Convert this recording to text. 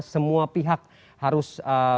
semua pihak harus